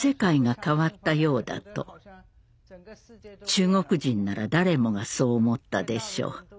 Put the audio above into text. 中国人なら誰もがそう思ったでしょう。